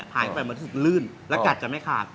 ผ่านก็เป็นเหมือนสุดลื่นและกัดจะไม่ขาด